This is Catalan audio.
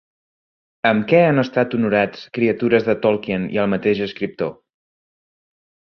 Amb què han estat honorats criatures de Tolkien i el mateix escriptor?